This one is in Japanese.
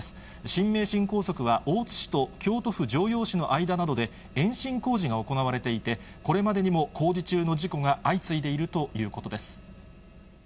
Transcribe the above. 新名神高速は、大津市と京都府城陽市の間などで、延伸工事が行われていて、これまでにも工事中の事故が相次いでいるということです。